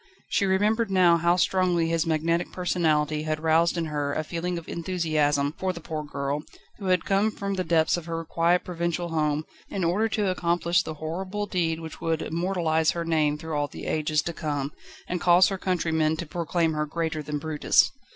She remembered now how strongly his magnetic personality had roused in her a feeling of enthusiasm for the poor girl, who had come from the depths of her quiet provincial home, in order to accomplish the horrible deed which would immortalise her name through all the ages to come, and cause her countrymen to proclaim her "greater than Brutus."